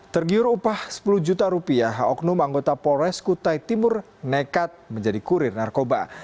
tergiur upah sepuluh juta rupiah oknum anggota polres kutai timur nekat menjadi kurir narkoba